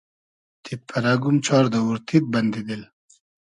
تید پئرئگوم چار دئوور تید, بئندی دیل